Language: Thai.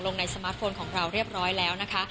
ในสมาร์ทโฟนของเราเรียบร้อยแล้วนะคะ